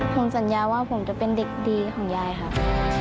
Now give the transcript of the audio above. ผมสัญญาว่าผมจะเป็นเด็กดีของยายครับ